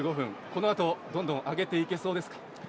このあと、どんどん上げていけそうですか？